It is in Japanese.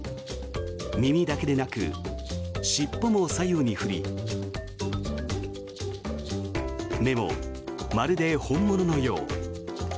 耳だけでなく尻尾も左右に振り目も、まるで本物のよう。